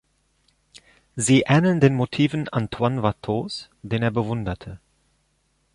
Sie ähneln den Motiven Antoine Watteaus, den er bewunderte.